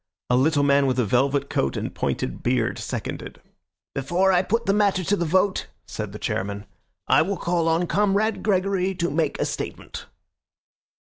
A little man with a velvet coat and pointed beard seconded. "Before I put the matter to the vote," said the chairman, "I will call on Comrade Gregory to make a statement."